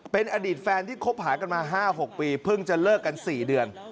เป็นอดีตแฟนที่คบหากันมา๕๖ปีเพิ่งจะเลิกกัน๔เดือน